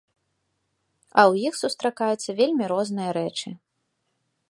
А ў іх сустракаюцца вельмі розныя рэчы.